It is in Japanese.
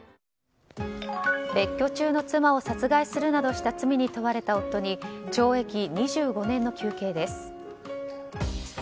別居中の妻を殺害するなどした罪に問われた夫に懲役２５年の求刑です。